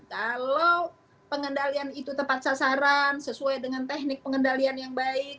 kalau pengendalian itu tepat sasaran sesuai dengan teknik pengendalian yang baik